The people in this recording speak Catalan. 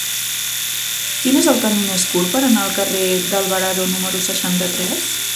Quin és el camí més curt per anar al carrer d'Alvarado número seixanta-tres?